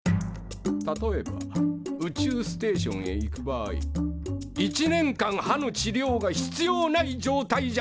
例えば宇宙ステーションへ行く場合１年間歯の治療が必要ない状態じゃないといけません。